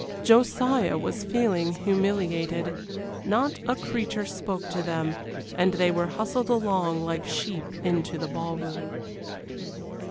Josiah was feeling humiliated. Not a creature spoke to them, and they were hustled along like sheep into the ballroom.